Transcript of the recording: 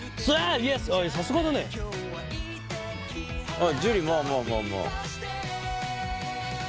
あっ樹まあまあまあまあ。